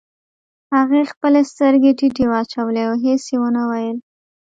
هغې خپلې سترګې ټيټې واچولې او هېڅ يې ونه ويل.